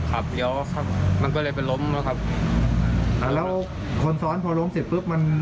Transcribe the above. แล้วคนซ้อนพอล้มเสร็จปุ๊บมัน